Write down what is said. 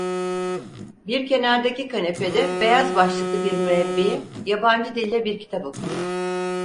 Bir kenardaki kanepede beyaz başlıklı bir mürebbiye yabancı dille bir kitap okur.